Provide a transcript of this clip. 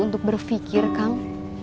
untuk berpikir kang